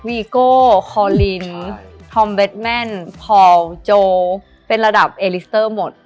วีโก้คอลินทอมเบสแม่นพอลโจเป็นระดับเอลิสเตอร์หมด